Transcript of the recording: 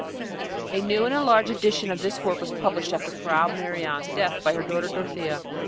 A new and enlarged edition of this work was published after Frau Merian's death by her daughter Dorothea.